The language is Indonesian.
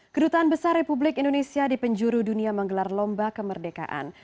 kedutaan besar republik indonesia di penjuru dunia menggelar lomba kemerdekaan